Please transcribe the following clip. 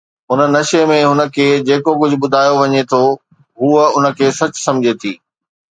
هن نشي ۾، هن کي جيڪو ڪجهه ٻڌايو وڃي ٿو، هوء ان کي سچ سمجهي ٿي.